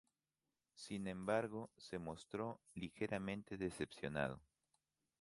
Sin embargo, se mostró ligeramente decepcionado.